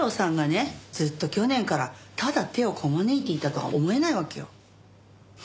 ずっと去年からただ手をこまねいていたとは思えないわけよ。